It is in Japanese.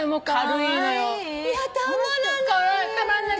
いやたまらない。